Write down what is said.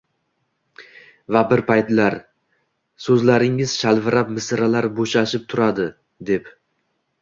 va bir paytlar: “So’zlaringiz shalvirab, misralar bo’shashib turadi” deb